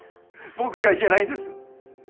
僕がいけないんです！